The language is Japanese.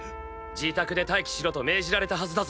自宅で待機しろと命じられたはずだぞ。